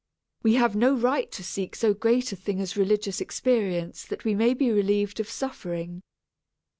We have no right to seek so great a thing as religious experience that we may be relieved of suffering.